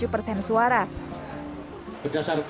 berdasarkan quick count